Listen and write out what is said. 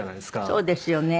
そうですよね。